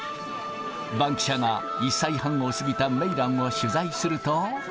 バンキシャが、１歳半を過ぎたメイランを取材すると。